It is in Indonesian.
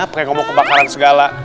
pake ngomong kebakaran segala